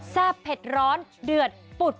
แซ่บเผ็ดร้อนเดือด